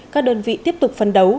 các đơn vị tiếp tục phân đấu